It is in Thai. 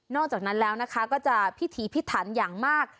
จากนั้นแล้วนะคะก็จะพิถีพิถันอย่างมาก